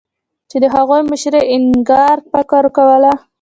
چې د هغې مشري اینیګار فقیر کوله.